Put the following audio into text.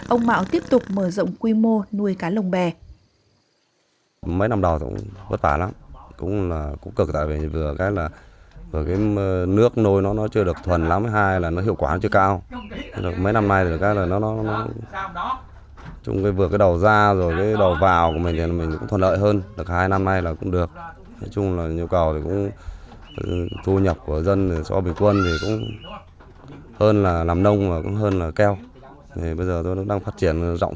ông mạo tiếp tục mở rộng quy mô nuôi cá lồng bè